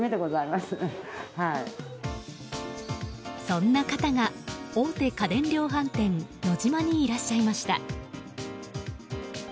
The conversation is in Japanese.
そんな方が大手家電量販店ノジマにいらっしゃいました。